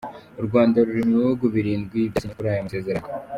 U Rwanda ruri mu bihugu birindwi byasinye kuri ayo masezerano.